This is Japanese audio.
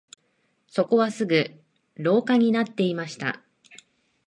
そこはすぐ廊下になっていました